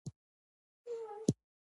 علي په غوسه و.